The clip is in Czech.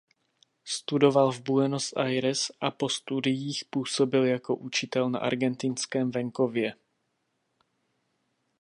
Studoval v Buenos Aires a po studiích působil jako učitel na argentinském venkově.